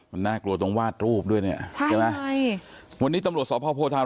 มันน่ากลัวต้องวาสรูปด้วยเนี้ยเดี่ยวนะใช่ไหม